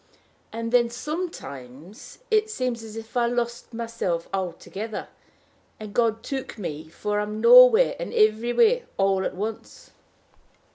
And then sometimes it seems as if I lost myself altogether, and God took me, for I'm nowhere and everywhere all at once."